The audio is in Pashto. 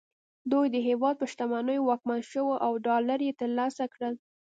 دوی د هېواد په شتمنیو واکمن شول او ډالر یې ترلاسه کړل